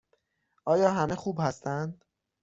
آیا همه خوب هستند؟